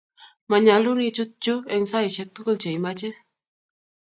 manyalun i chut yu eng' saishek tugul che i mache